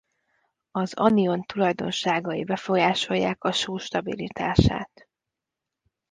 Az anion tulajdonságai befolyásolják a só stabilitását.